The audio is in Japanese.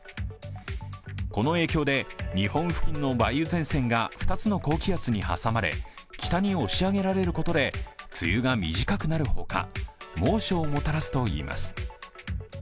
この影響で日本付近の梅雨前線が２つの高気圧に挟まれ北に押し上げられることで梅雨が短くなるほか、猛暑をもたらすといいます。